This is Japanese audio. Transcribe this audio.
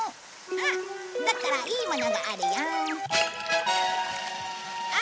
だったらいいものがあるよ。